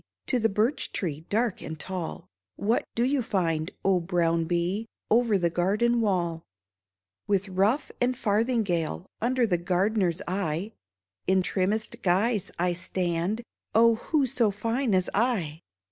To the birch tree, dark and tall. What do you find, O brown bee, Over the garden wall ? With ruff and farthingale, Under the gardener's eye, In trimmest guise I stand — Oh, who so fine as I